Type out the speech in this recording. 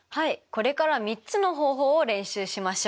これから３つの方法を練習しましょう。